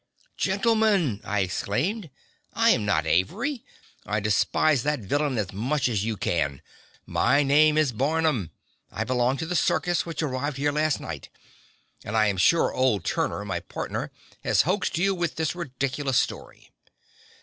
"Gentlemen," I exclaimed, "I am not Avery; I despise that villain as much as you can; my name is Barnum; I belong to the circus which arrived here last night, and I am sure Old Turner, my partner, has hoaxed you with this ridiculous story."